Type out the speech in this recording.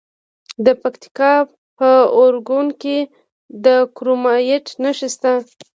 د پکتیکا په اورګون کې د کرومایټ نښې شته.